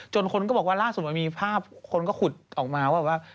คนก็บอกว่าล่าสุดมันมีภาพคนก็ขุดออกมาว่า